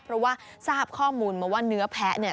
เพราะว่าทราบข้อมูลมาว่าเนื้อแพ้เนี่ย